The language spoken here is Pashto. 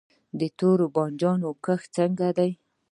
د تور بانجان کښت څنګه دی؟